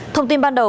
thông tin ban đầu